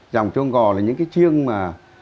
dòng chiêng gò là những cái chiêng mà